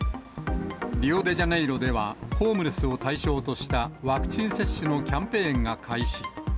リオデジャネイロでは、ホームレスを対象とした、ワクチン接種のキャンペーンが開始。